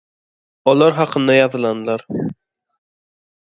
Olar hakynda ýazylanlar.